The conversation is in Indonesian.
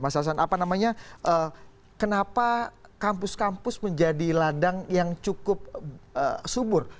mas hasan apa namanya kenapa kampus kampus menjadi ladang yang cukup subur